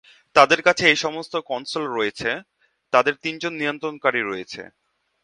তাদের কাছে এই সমস্ত কনসোল রয়েছে, তাদের তিনজন নিয়ন্ত্রণকারী রয়েছে।